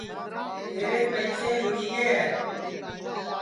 تیرے پئیسے گُڑی گے ہے